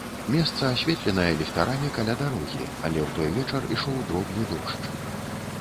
Месца асветленае ліхтарамі каля дарогі, але ў той вечар ішоў дробны дождж.